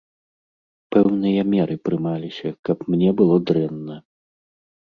Пэўныя меры прымаліся, каб мне было дрэнна.